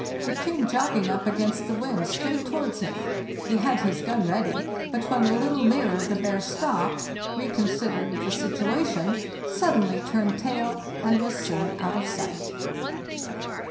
It came jogging up against the wind straight towards him. He had his gun ready, but when a little nearer the bear stopped, reconsidered the situation, sud denly turned tail, and was soon out of sight.